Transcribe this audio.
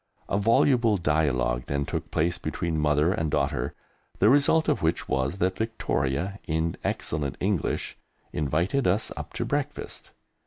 A voluble dialogue then took place between mother and daughter, the result of which was that Victoria, in excellent English, invited us up to breakfast.